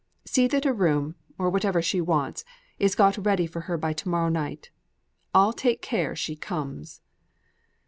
See that a room, or whatever she wants, is got ready for her by to morrow night. I'll take care she comes."